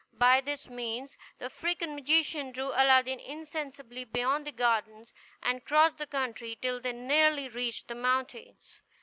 By this means the African magician drew Aladdin insensibly beyond the gardens, and crossed the country till they nearly reached the mountains.